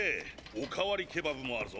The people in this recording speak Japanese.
お代わりケバブもあるぞ。